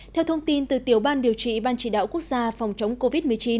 theo thông tin từ tiểu ban điều trị ban chỉ đạo quốc gia phòng chống covid một mươi chín